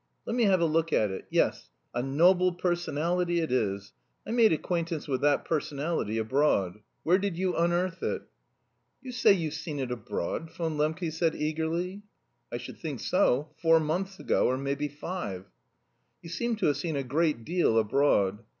Let me have a look at it yes, 'A Noble Personality' it is. I made acquaintance with that personality abroad. Where did you unearth it?" "You say you've seen it abroad?" Von Lembke said eagerly. "I should think so, four months ago, or may be five." "You seem to have seen a great deal abroad."